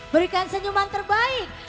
berikan senyuman terbaik